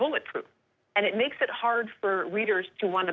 เวทย์ที่คุ้มประจำไว้และมีเอกแรกล่ะ